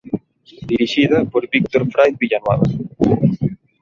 Dirixida por Víctor Fraiz Villanueva.